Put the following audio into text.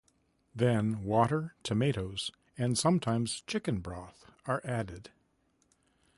Then, water, tomatoes, and sometimes chicken broth are added.